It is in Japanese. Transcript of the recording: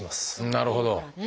なるほど。